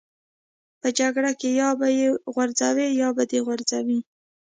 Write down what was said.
په جګړه کې یا به یې غورځوې یا به دې غورځوي